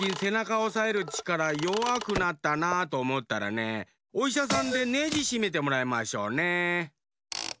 おさえるちからよわくなったなとおもったらねおいしゃさんでネジしめてもらいましょうね。